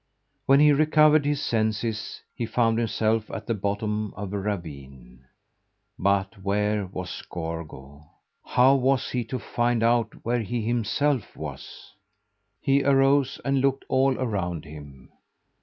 When he recovered his senses, he found himself at the bottom of a ravine. But where was Gorgo? How was he to find out where he himself was? He arose and looked all around him.